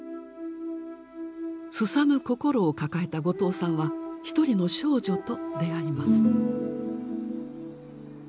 すさむ心を抱えた後藤さんはひとりの少女と出会います。